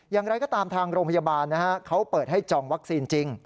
อย่างไรก็ตามทางโรงพยาบาลเขาเปิดให้จองวัคซีนจริง